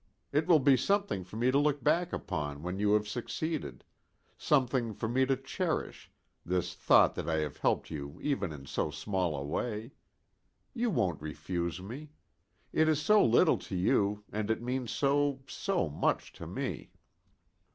It will be something for me to look back upon when you have succeeded; something for me to cherish, this thought that I have helped you even in so small a way. You won't refuse me. It is so little to you, and it means so so much to me."